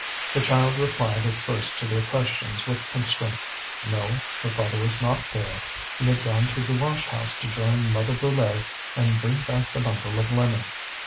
The child replied at first to their questions with constraint: no, her father was not there, he had gone to the washhouse to join Mother Brulé and bring back the bundle of linen.